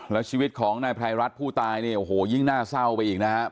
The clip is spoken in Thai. แล้วชีวิตของนายพลายรัฐผู้ตายเนี้ยโหยิ่งหน้าเศร้าไปเองนะ